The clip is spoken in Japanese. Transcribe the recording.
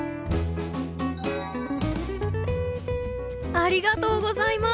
ありがとうございます。